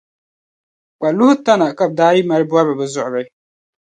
Kpaluhi tana ka bɛ daa yi mali bɔbira bɛ zuɣuri.